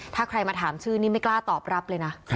ถ้าใครมาถามชื่อนี่ไม่กล้าตอบรับเลยนะ